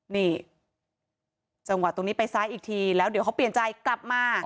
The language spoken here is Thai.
นี่จังหวะตรงนี้ไปซ้ายอีกทีแล้วเดี๋ยวเขาเปลี่ยนใจกลับมา